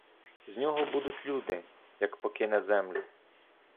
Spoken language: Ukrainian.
З нього будуть люди, як покине землю.